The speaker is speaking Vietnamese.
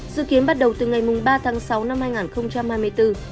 dự kiến bắt đầu từ ngày ba tháng sáu năm hai nghìn hai mươi bốn